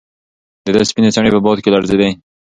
د ده سپینې څڼې په باد کې لړزېدې.